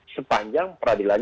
sepanjang peradilan ini